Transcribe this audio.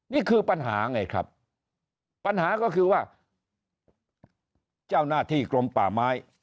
นี่คือปัญหาไงครับปัญหาก็คือว่าเจ้าหน้าที่กรมป่าไม้